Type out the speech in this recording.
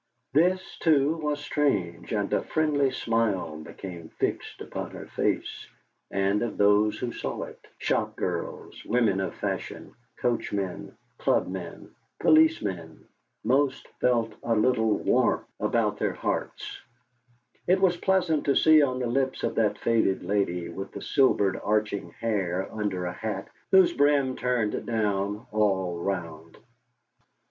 This, too, was strange, and a friendly smile became fixed upon her face, and of those who saw it shop girls, women of fashion, coachmen, clubmen, policemen most felt a little warmth about their hearts; it was pleasant to see on the lips of that faded lady with the silvered arching hair under a hat whose brim turned down all round.